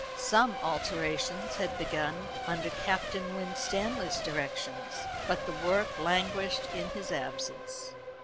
Some alterations had been begun under Captain Winstanley's directions; but the work languished in his absence.